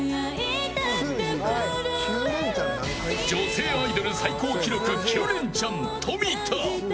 女性アイドル最高記録９レンチャン、富田。